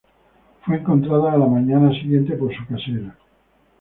Fue encontrada a la mañana siguiente por su casera.